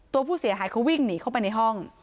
ตัวผู้เสียหายเขาวิ่งหนีเข้าไปในห้อง